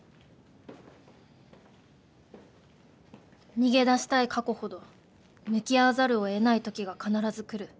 逃げ出したい過去ほど向き合わざるをえない時が必ず来る。